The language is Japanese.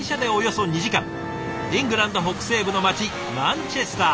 イングランド北西部の街マンチェスター。